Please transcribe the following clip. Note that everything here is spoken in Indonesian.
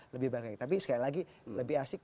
lebih baik tapi sekali lagi lebih asik